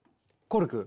コルク？